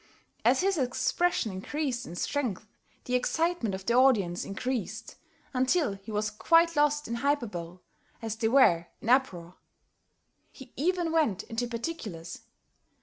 As his expressions increased in strength, the excitement of the audience increased, until he was quite lost in hyperbole, as they were in uproar. He even went into particulars.